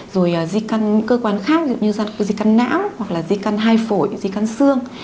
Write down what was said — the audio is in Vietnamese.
rồi di căn cơ quan khác dù như là di căn não hoặc là di căn hai phổi di căn xương